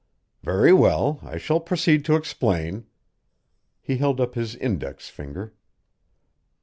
"Very well I shall proceed to explain." He held up his index finger.